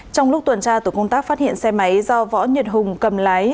trong lúc tuần tra tổ công tác phát hiện xe máy do võ nhật hùng cầm lái